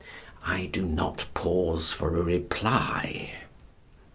I do not pause for a reply.